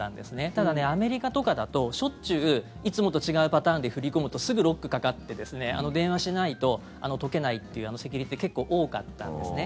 ただ、アメリカとかだとしょっちゅういつもと違うパターンで振り込むとすぐロックかかって電話しないと解けないというセキュリティー結構、多かったんですね。